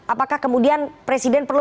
apakah kemudian presiden perlu